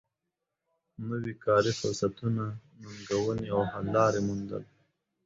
نوی کاري فرصتونه ننګونې او حل لارې موندل